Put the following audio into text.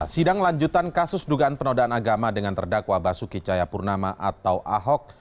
sidang lanjutan kasus dugaan penodaan agama dengan terdakwa basuki cayapurnama atau ahok